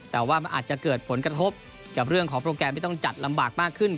แต่ว่ามันอาจจะเกิดผลกระทบกับเรื่องของโปรแกรมที่ต้องจัดลำบากมากขึ้น